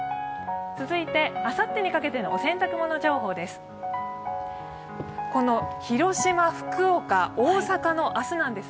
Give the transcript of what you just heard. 続いてあさってにかけてのお洗濯物情報です。